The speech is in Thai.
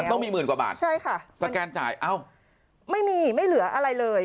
ต้องมีหมื่นกว่าบาทใช่ค่ะสแกนจ่ายเอ้าไม่มีไม่เหลืออะไรเลย